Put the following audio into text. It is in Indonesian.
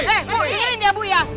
eh bukirin ya bu ya